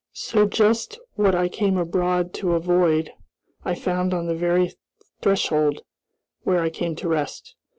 So just what I came abroad to avoid, I found on the very threshold where I came to rest.